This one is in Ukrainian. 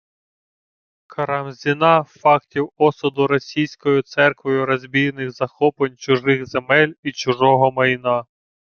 Карамзіна фактів осуду російською церквою розбійних захоплень чужих земель і чужого майна